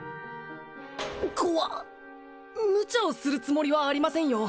怖っムチャをするつもりはありませんよ